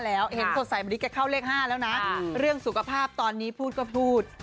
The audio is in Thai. แล้วรัศไฟได้เข้าเล็กห้าเรื่องสุขภาพตอนนี้พูดก็พูด